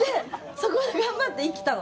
そこで頑張って生きたの。